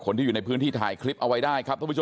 นี่เอาปืนมาจอ